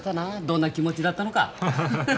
どんな気持ちだったのか。